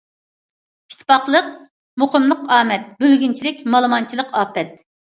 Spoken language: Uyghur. ئىتتىپاقلىق، مۇقىملىق ئامەت، بۆلگۈنچىلىك، مالىمانچىلىق ئاپەت.